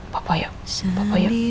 papa yuk papa yuk